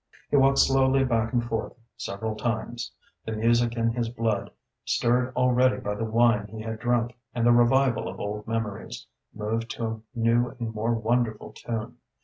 He walked slowly back and forth several times. The music in his blood, stirred already by the wine he had drunk and the revival of old memories, moved to a new and more wonderful tune.